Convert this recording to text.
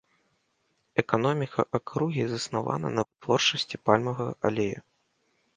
Эканоміка акругі заснавана на вытворчасці пальмавага алею.